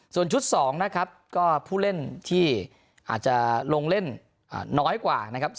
ส่วนชุด๒นะครับก็ผู้เล่นที่อาจจะลงเล่นน้อยกว่านะครับ